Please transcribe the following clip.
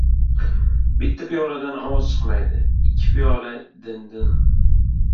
• Bitta piyoladan ovoz chiqmaydi, ikki piyola — “din-din”.